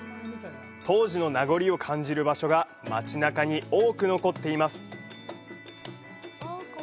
当時の名残を感じる場所が街中に多く残っています。